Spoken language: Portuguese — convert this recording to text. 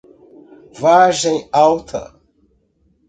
Vargem Alta